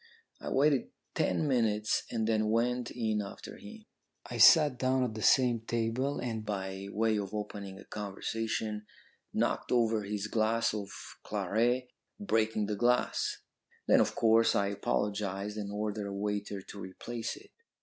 I waited ten minutes and then went in after him. I sat down at the same table, and, by way of opening a conversation, knocked over his glass of claret, breaking the glass. Then, of course, I apologised and ordered a waiter to replace it.